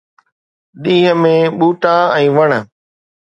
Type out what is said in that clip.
ڏينهن ۾ ٻوٽا ۽ وڻ